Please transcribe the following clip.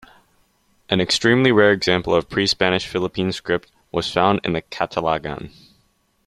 An extremely rare example of pre-Spanish Philippine script was found in Calatagan.